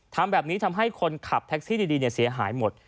ทำแบบนี้ทำให้คนขับแท็กซี่ดีเสียหายหมด